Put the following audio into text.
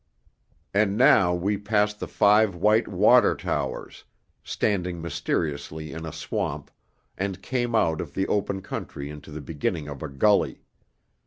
And now we passed the five white Water Towers, standing mysteriously in a swamp, and came out of the open country into the beginning of a gully.